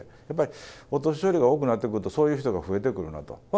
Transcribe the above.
やっぱりお年寄りが多くなってくるとそういう人が増えてくるなと。